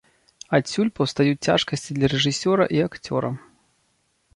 Адсюль паўстаюць цяжкасці для рэжысёра і акцёра.